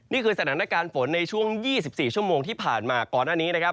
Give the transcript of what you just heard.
นี่คือสถานการณ์ฝนในช่วง๒๔ชั่วโมงที่ผ่านมาก่อนหน้านี้นะครับ